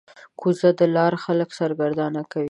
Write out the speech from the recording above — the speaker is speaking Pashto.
کوږه لار خلک سرګردانه کوي